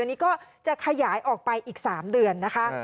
อันนี้ก็จะขยายออกไปอีก๓เดือนนะคะ